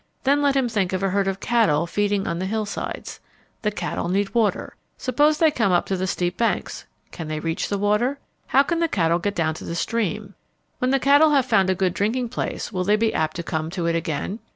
Then let him think of a herd of cattle feeding on the hillsides. The cattle need water. Suppose that they come up to the steep banks. Can they reach the water? How can the cattle get down to the stream? When the cattle have found a good drinking place will they be apt to come to it again?